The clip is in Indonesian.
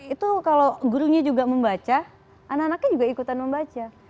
itu kalau gurunya juga membaca anak anaknya juga ikutan membaca